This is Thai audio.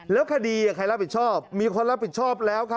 แล้วคดีใครรับผิดชอบมีคนรับผิดชอบแล้วครับ